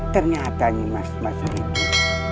ternyata nimas mas gitu